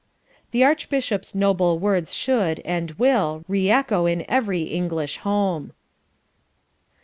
"The Archbishop's noble words should, and will, re echo in every English home."